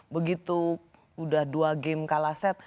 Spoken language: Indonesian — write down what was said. begitu udah dua game kalah set